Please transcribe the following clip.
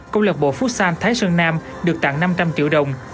câu lạc bộ futsal thái sơn nam được tặng năm trăm linh triệu đồng